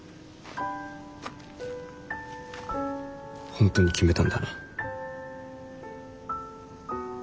本当に決めたんだな。